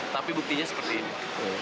tapi buktinya sepersis